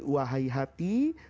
wahai hati tenangkanlah dirimu